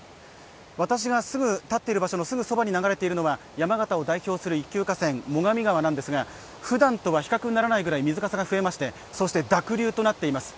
私が立っているそばに流れているのが山形を代表する一級河川最上川なんですが、ふだんとは比較にならないぐらい水かさが増しましてそして濁流となっています。